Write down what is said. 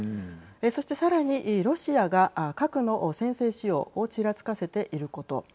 そして、さらにロシアが核の先制使用をちらつかせていること。